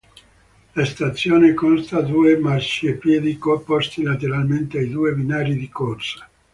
La stazione conta due marciapiedi, posti lateralmente ai due binari di corsa.